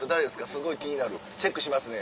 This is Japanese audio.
すごい気になるチェックしますね」。